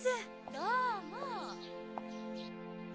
どうも。